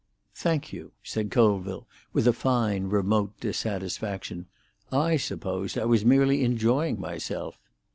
"Thank you," said Colville, with a fine, remote dissatisfaction. "I supposed I was merely enjoying myself."